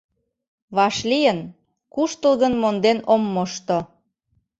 Вашлийын — куштылгын монден ом мошто.